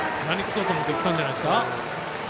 何か起こそうと思って打ったんじゃないんですか。